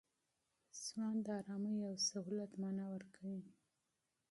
سوان د آرامۍ او سهولت مانا ورکوي.